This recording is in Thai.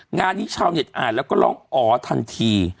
งานนี้ชาวเน็ตอ่านแล้วก็ร้องอ๋อทันที